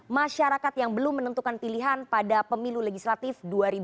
masyarakat yang belum menentukan pilihan pada pemilu legislatif dua ribu dua puluh